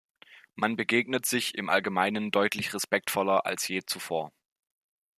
Man begegnet sich im Allgemeinen deutlich respektvoller als je zuvor.